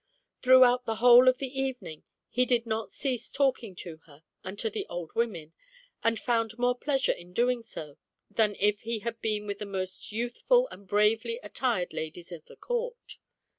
Throughout the whole of the evening he did not cease talking to her and to the old women, and found more pleasure in doing so than if he had been with the most youthful and bravely attired ladies of the Court.